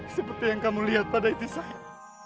seperti yang kamu lihat pada istisahat